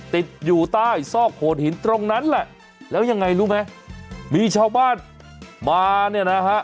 ติดอยู่ใต้ซอกโหดหินตรงนั้นแหละแล้วยังไงรู้ไหมมีชาวบ้านมาเนี่ยนะฮะ